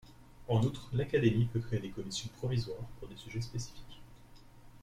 En outre, l'Académie peut créer des commissions provisoires pour des sujets spécifiques.